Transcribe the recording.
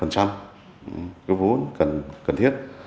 cái vốn cần thiết